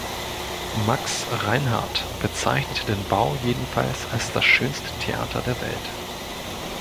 Max Reinhardt bezeichnete den Bau jedenfalls als das schönste Theater der Welt.